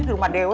di rumah dewek